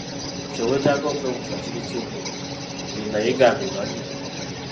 Kye weetaaga okwebuza kiri kimu nti: "Bye nayiga mbimanyi?"